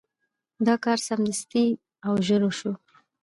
دا کار سمدستي او ژر وشو.